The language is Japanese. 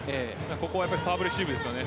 ここはサーブレシーブですよね。